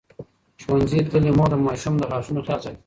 ښوونځې تللې مور د ماشوم د غاښونو خیال ساتي.